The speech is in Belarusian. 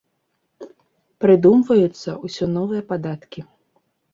Прыдумваюцца ўсё новыя падаткі.